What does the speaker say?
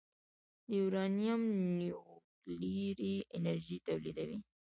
د یورانیم نیوکلیري انرژي تولیدوي.